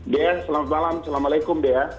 dea selamat malam assalamualaikum dea